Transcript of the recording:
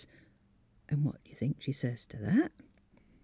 An' what d' you think she sez t' that?